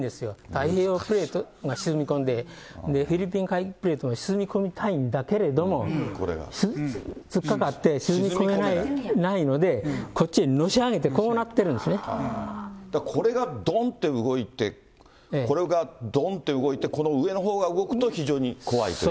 太平洋プレートが沈み込んで、フィリピン海プレートも沈み込みたいんだけれども、突っかかって沈めこめないので、こっちにのし上げて、こうなってだからこれがどんって動いて、これがどんって動いて、この上のほうが動くと非常に怖いという。